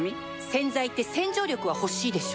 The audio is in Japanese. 洗剤って洗浄力は欲しいでしょ